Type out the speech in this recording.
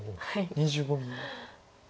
２５秒。